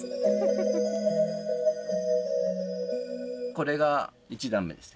これが一段目ですね。